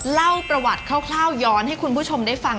เล่าประวัติคร่าวย้อนให้คุณผู้ชมได้ฟัง